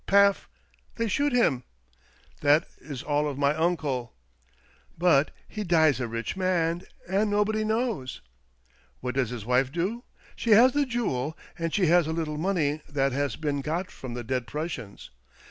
paf ! they shoot him. That is all of my uncle; but CASE OF THE " MIlUiOB OF PORTUGAL" 111 he dies a rich man, and nobody knows. What does his wife do ? She has the jewel, and she has a httle money that has been got from the dead Prussians.